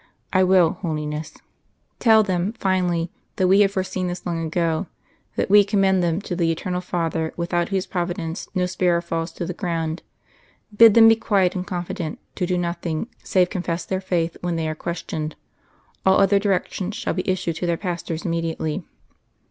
"'I will, Holiness.'" "Tell them, finally, that We had foreseen this long ago; that We commend them to the Eternal Father without Whose Providence no sparrow falls to the ground. Bid them be quiet and confident; to do nothing, save confess their faith when they are questioned. All other directions shall be issued to their pastors immediately!"